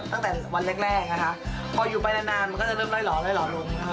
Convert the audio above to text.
ตั้งแต่วันแรกแรกนะคะพออยู่ไปนานนานมันก็จะเริ่มล่อล่อลงนะคะ